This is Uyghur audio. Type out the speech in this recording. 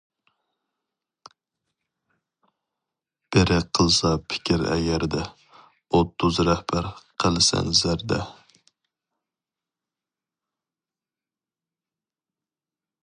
بىرى قىلسا پىكىر ئەگەردە، ئوتتۇز رەھبەر قىلسەن زەردە.